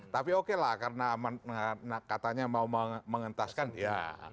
tapi oke lah karena katanya mau mengentaskan ya